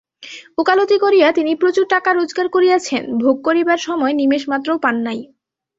ওকালতি করিয়া তিনি প্রচুর টাকা রোজগার করিয়াছেন, ভোগ করিবার সময় নিমেষমাত্রও পান নাই।